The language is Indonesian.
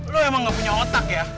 lu emang gak punya otak ya